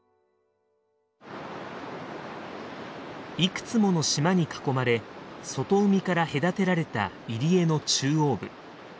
いくつもの島に囲まれ外海から隔てられた入り江の中央部。